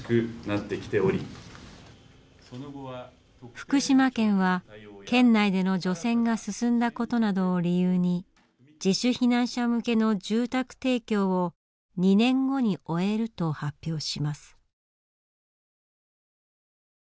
福島県は県内での除染が進んだことなどを理由に自主避難者向けの住宅提供を２年後に終えると発表します。